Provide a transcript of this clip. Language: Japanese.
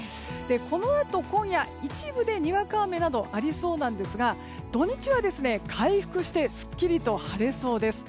このあと、今夜一部でにわか雨などありそうなんですが土日は回復してすっきりと晴れそうです。